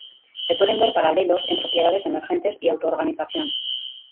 Se pueden ver paralelos en propiedades emergentes y autoorganización.